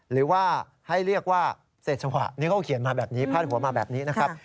หรือว่าให้เรียกว่าเศษวะนี่เขาเขียนมาแบบนี้พาดหัวมาแบบนี้นะครับ